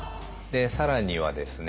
更にはですね